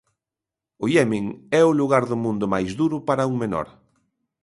O Iemen é o lugar do mundo máis duro para un menor.